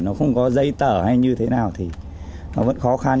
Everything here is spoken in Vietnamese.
nó không có dây tở hay như thế nào thì nó vẫn khó khăn